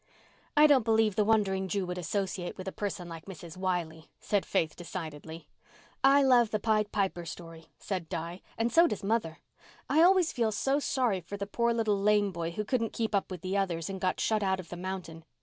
"I don't believe the Wandering Jew would associate with a person like Mrs. Wiley," said Faith decidedly. "I love the Pied Piper story," said Di, "and so does mother. I always feel so sorry for the poor little lame boy who couldn't keep up with the others and got shut out of the mountain.